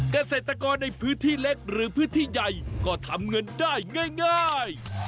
เกษตรกรในพื้นที่เล็กหรือพื้นที่ใหญ่ก็ทำเงินได้ง่าย